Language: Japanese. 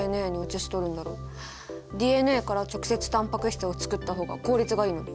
ＤＮＡから直接タンパク質を作った方が効率がいいのに。